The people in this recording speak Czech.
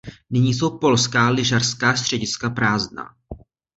Nyní jsou polská lyžařská střediska prázdná.